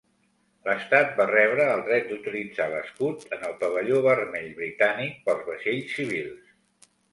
L'estat va rebre el dret d'utilitzar l'escut en el pavelló vermell britànic pels vaixells civils.